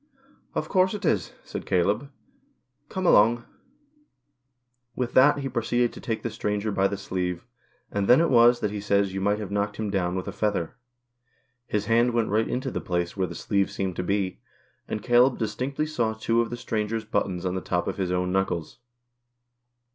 " Of course it is," said Caleb. " Come along." With that he proceeded to take the stranger by the sleeve, and then it was that he says you might have knocked him down with a feather. His hand went right into the place where the sleeve seemed to be, and Caleb distinctly saw two of the stranger's buttons on the top of his own knuckles.